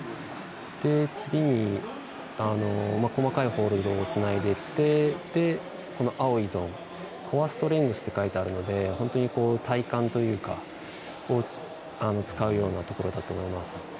次に、細かいホールドでつないでいって青いゾーン、コアストレングスって書いてあるので本当に体幹を使うようなところだと思います。